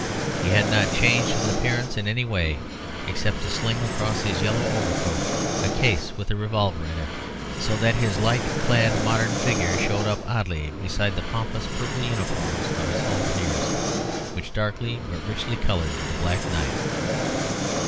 He had not changed his appearance in any way, except to sling across his yellow overcoat a case with a revolver in it. So that his light clad modern figure showed up oddly beside the pompous purple uniforms of his halberdiers, which darkly but richly coloured the black night.